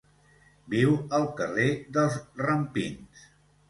Viure al carrer dels rampins.